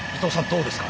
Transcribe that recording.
どうですか？